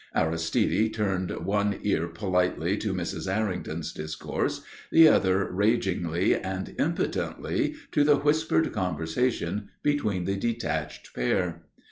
Aristide turned one ear politely to Mrs. Errington's discourse, the other ragingly and impotently to the whispered conversation between the detached pair.